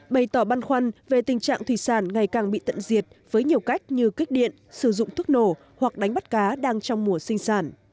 bày tỏ băn khoăn về tình trạng thủy sản ngày càng bị tận diệt với nhiều cách như kích điện sử dụng thuốc nổ hoặc đánh bắt cá đang trong mùa sinh sản